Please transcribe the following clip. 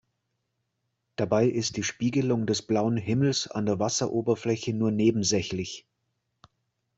Dabei ist die Spiegelung des blauen Himmels an der Wasseroberfläche nur nebensächlich.